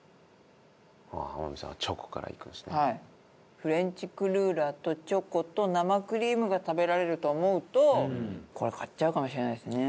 フレンチクルーラーとチョコと生クリームが食べられると思うとこれ買っちゃうかもしれないですね。